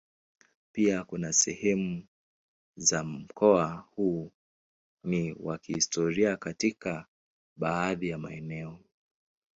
Pia kuna sehemu za mkoa huu ni wa kihistoria katika baadhi ya maeneo.